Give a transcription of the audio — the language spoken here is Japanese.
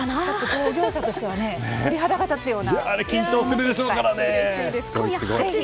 同業者としては鳥肌が立つような。